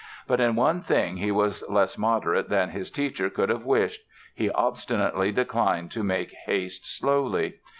But in one thing he was less moderate than his teacher could have wished; he obstinately declined to make haste slowly.